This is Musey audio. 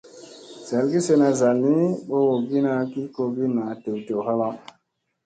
Zalgi sena zalni ɓorowogina ki kogi naa dew dew halaŋ.